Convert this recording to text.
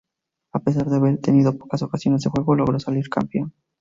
A pesar de haber tenido pocas ocasiones de juego, logró salir campeón.